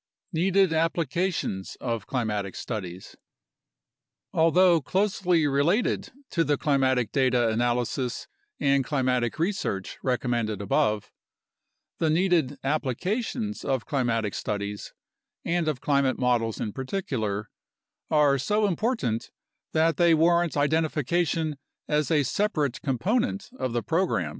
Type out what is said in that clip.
Needed Applications of Climatic Studies Although closely related to the climatic data analysis and climatic research recommended above, the needed applications of climatic studies (and of climate models in particular) are so important that they warrant identification as a separate component of the program.